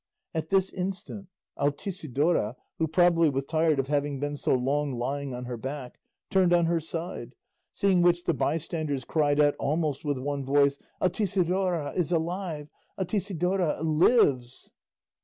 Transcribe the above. At this instant Altisidora, who probably was tired of having been so long lying on her back, turned on her side; seeing which the bystanders cried out almost with one voice, "Altisidora is alive! Altisidora lives!"